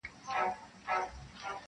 • آزادي هلته نعمت وي د بلبلو -